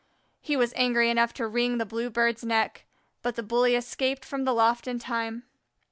He was angry enough to wring the Blue bird's neck, but the bully escaped from the loft in time.